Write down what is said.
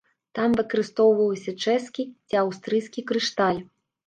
Там выкарыстоўваўся чэшскі ці аўстрыйскі крышталь.